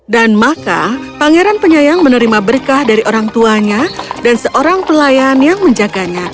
dan maka pangeran penyayang menerima berkah dari orang tuanya dan seorang pelayan yang menjaganya